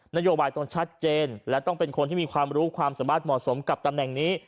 นโยบายต้องชัดเจนและต้องเป็นคนที่มีความรู้ความสามารถเหมาะสมกับตำแหน่งนี้